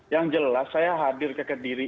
yang jelas saya hadir ke kediri